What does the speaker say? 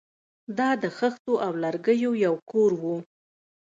دا د خښتو او لرګیو یو کور و